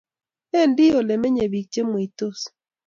Bendi Ole menyei bik chemweitos